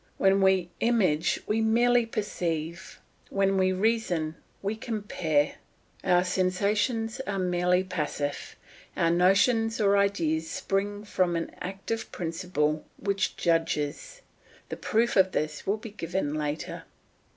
When we image we merely perceive, when we reason we compare. Our sensations are merely passive, our notions or ideas spring from an active principle which judges. The proof of this will be given later.